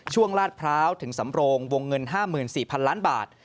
ลาดพร้าวถึงสำโรงวงเงิน๕๔๐๐๐ล้านบาท